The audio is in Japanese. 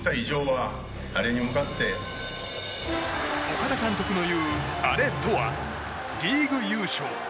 岡田監督の言うアレとはリーグ優勝。